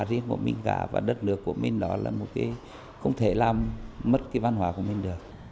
riêng của mình cả và đất nước của mình đó là một cái không thể làm mất cái văn hóa của mình được